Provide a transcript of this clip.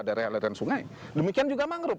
darah aliran sungai demikian juga mangrub